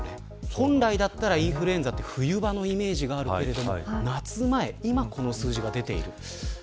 本来、インフルエンザは冬場のイメージがありますが夏前の今にこの数字が出ています。